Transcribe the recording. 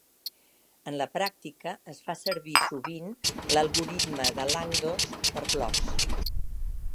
En la pràctica, es fa servir sovint l'algoritme de Lanczos per blocs.